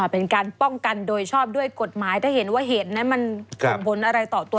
เป็นการป้องกันโดยชอบด้วยกฎหมายถ้าเห็นว่าเหตุนั้นมันส่งผลอะไรต่อตัว